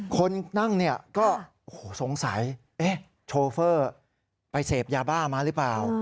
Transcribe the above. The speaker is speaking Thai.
คนนั่งเนี่ยก็สงสัยโชเฟอร์ไปเสพยาบ้ามาหรือเปล่า